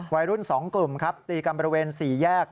วัยรุ่น๒กลุ่มครับตีกันบริเวณ๔แยก